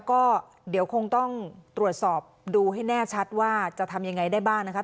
ก็เดี๋ยวคงต้องตรวจสอบดูให้แน่ชัดว่าจะทำยังไงได้บ้างนะคะ